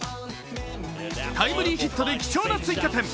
タイムリーヒットで貴重な追加点。